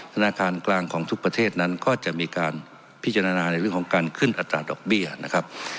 ธนาคารกลางของทุกประเทศนั้นก็จะมีการพิจารณาในเรื่องของการขึ้นอัตราดอกเบี้ยนะครับ